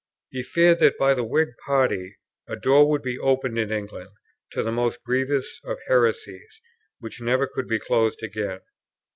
He feared that by the Whig party a door would be opened in England to the most grievous of heresies, which never could be closed again.